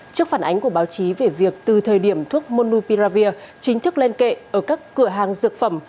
trước phản ánh của báo chí về việc từ thời điểm thuốc monupiravir chính thức lên kệ ở các cửa hàng dược phẩm